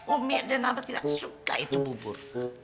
umi dan abang tidak suka itu bubur